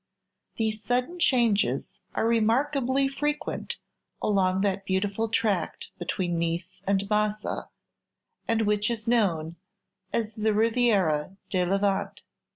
These sudden changes are remarkably frequent along that beautiful tract between Nice and Massa, and which is known as the "Riviera di Levante."